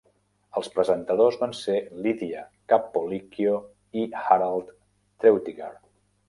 Els presentadors van ser Lydia Cappolicchio i Harald Treutiger.